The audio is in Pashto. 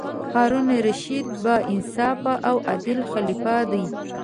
هارون الرشید با انصافه او عادل خلیفه دی.